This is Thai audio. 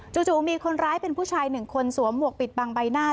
จู่มีคนร้ายเป็นผู้ชายหนึ่งคนสวมหวกปิดบางใบหน้า